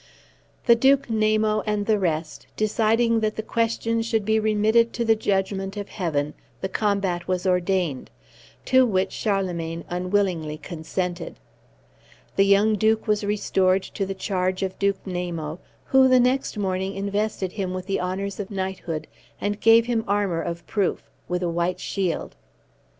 The Duke Namo and the rest, deciding that the question should be remitted to the judgment of Heaven, the combat was ordained, to which Charlemagne unwillingly consented. The young Duke was restored to the charge of Duke Namo, who the next morning invested him with the honors of knighthood, and gave him armor of proof, with a white shield.